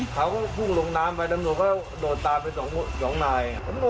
เขาก็พุ่งลงน้ำไปตำรวจก็โดดตามไปสองนาย